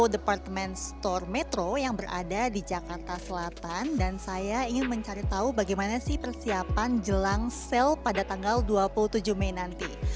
departemen store metro yang berada di jakarta selatan dan saya ingin mencari tahu bagaimana sih persiapan jelang sale pada tanggal dua puluh tujuh mei nanti